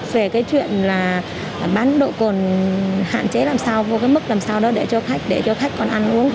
về cái chuyện là bán độ cồn hạn chế làm sao vô cái mức làm sao đó để cho khách để cho khách còn ăn uống